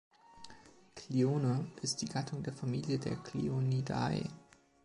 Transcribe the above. „Clione“ ist die Gattung der Familie der Clionidae.